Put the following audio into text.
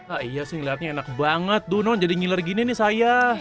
ah iya sih ngeliatnya enak banget dunon jadi ngiler gini nih saya